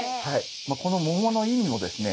この桃の意味もですね